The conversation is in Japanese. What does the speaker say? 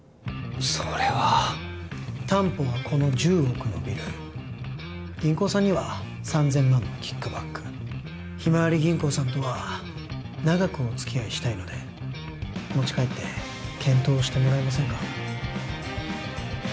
それは担保はこの１０億のビル銀行さんには３千万のキックバックひまわり銀行さんとは長くお付き合いしたいので持ち帰って検討してもらえませんか？